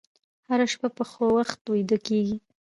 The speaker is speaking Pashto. هره شپه په وخت ویده کېږئ.